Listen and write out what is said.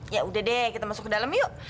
yaudah deh kita masuk ke dalam yuk